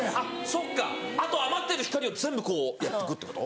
そっかあと余ってる光を全部こうやってくってこと？